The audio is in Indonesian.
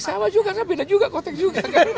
ya sama juga beda juga konteks juga